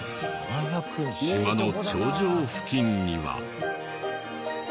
島の頂上付近には。